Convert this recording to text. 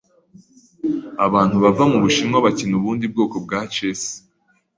Abantu bava mubushinwa bakina ubundi bwoko bwa chess.